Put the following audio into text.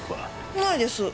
ないです。